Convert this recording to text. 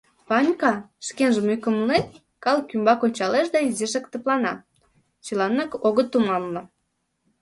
Ванька, шкенжым ӧкымлен, калык ӱмбак ончалеш да изишак тыплана: чыланак огыт туманле.